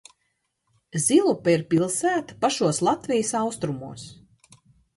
Zilupe ir pilsēta pašos Latvijas austrumos.